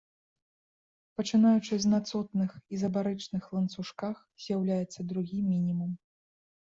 Пачынаючы з на цотных ізабарычных ланцужках з'яўляецца другі мінімум.